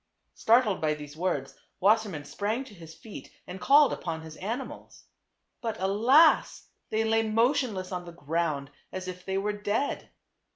Startled by these words, Wassermann sprang to his feet and called upon his animals. But alas ! they lay motionless on the ground as if they were dead.